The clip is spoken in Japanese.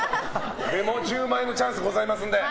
１０万円のチャンスございますので。